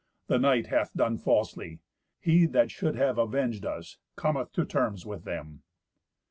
The knight hath done falsely. He that should have avenged us cometh to terms with them."